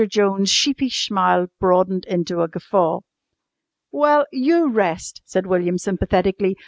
Jones' sheepish smile broadened into a guffaw. "Well, you rest," said William sympathetically.